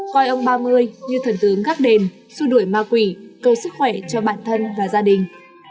coi ông ba mươi như thần tướng gác đền xua đuổi ma quỷ cầu sức khỏe cho bản thân và gia đình